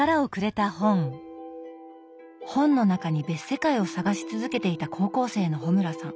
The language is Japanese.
本の中に別世界を探し続けていた高校生の穂村さん。